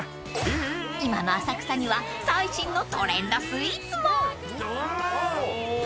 ［今の浅草には最新のトレンドスイーツも］